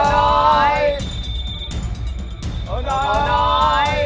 ฉันเครียดมากฉันเครียดมานาน